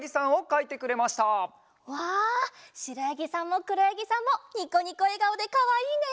しろやぎさんもくろやぎさんもニコニコえがおでかわいいね！